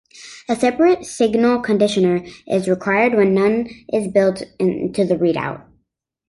A separate signal conditioner is required when none is built into the readout.